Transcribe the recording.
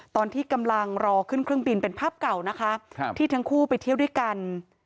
ตอนที่กำลังรอขึ้นเครื่องบินเป็นภาพเก่านะคะที่ทั้งคู่ไปเที่ยวด้วยกัน